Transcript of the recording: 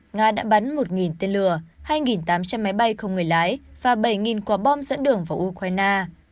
nga đã bắn một tên lửa hai tám trăm linh máy bay không người lái và bảy quả bom dẫn đường vào ukraine